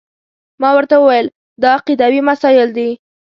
ما ورته وویل دا عقیدوي مسایل دي.